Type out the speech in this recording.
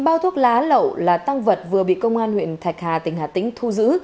một mươi bao thuốc lá lẩu là tăng vật vừa bị công an huyện thạch hà tỉnh hà tĩnh thu giữ